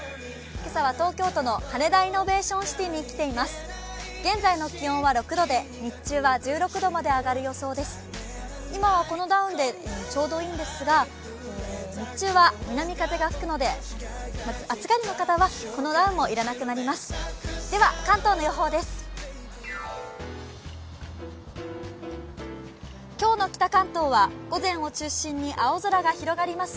今はこのダウンでちょうどいいんですが、日中は南風が吹くので、暑がりの方はこのダウンも要らなくなります。